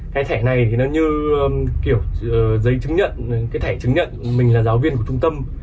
cái thẻ này thì nó như kiểu giấy chứng nhận cái thẻ chứng nhận mình là giáo viên của trung tâm